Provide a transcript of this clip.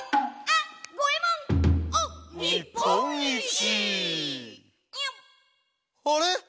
「あれ！